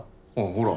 ほら！